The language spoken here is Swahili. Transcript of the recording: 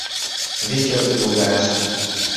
Ndicho lugha rasmi.